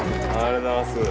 ありがとうございます。